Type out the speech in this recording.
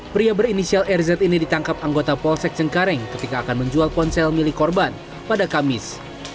pria berinisial rz ini ditangkap anggota polsek cengkareng ketika akan menjual ponsel milik korban pada kamis